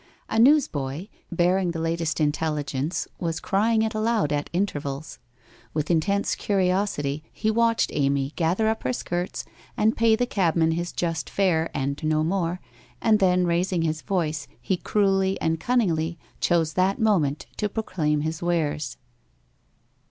A newsboy, bearing the latest intelligence, was crying it aloud at intervals. With in tense curiosity he watched Amy gather up her skirts and pay the cabman his just fare and no more, and then, rais ing his voice he cruelly and cunningly chose that moment to proclaim his wares.